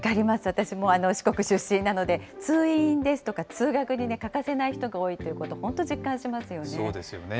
私も四国出身なので、通院ですとか、通学に欠かせない人が多いということ、本当実感しますよね。